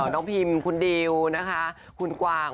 น้องพรีมคุณดีวนะคะคุณกวาง